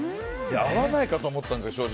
合わないかと思ったんですよ